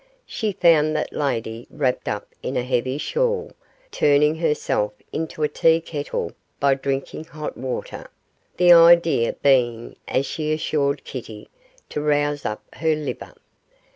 She found that lady wrapped up in a heavy shawl, turning herself into a tea kettle by drinking hot water, the idea being, as she assured Kitty, to rouse up her liver.